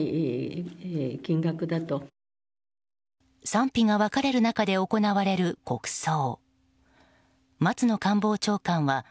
賛否が分かれる中で行われる国葬。